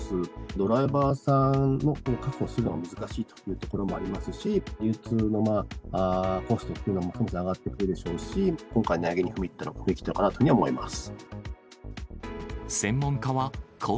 ドライバーさんを確保するのも難しいというところもありますし、流通のコストっていうのも上がってくるでしょうし、今回、値上げに踏み切ったのかなというふうには思います。